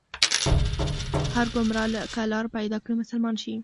هر ګمراه که لار پيدا کړي، مسلمان شي